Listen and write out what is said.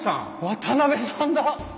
渡さんだ！